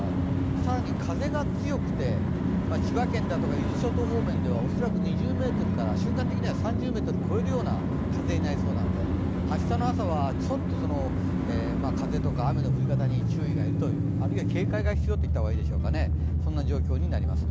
更に風が強くて千葉県だとか伊豆諸島方面では恐らく２０メートルから、瞬間的には３０メートルを超えるような風になりそうなので、明日の朝は風とか雨の降り方に注意が要る、あるいは警戒が必要と言った方がいい状況になります。